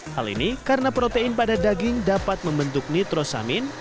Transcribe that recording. hal ini karena protein pada daging dapat membentuk nitrosamin